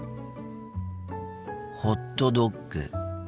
ホットドッグ。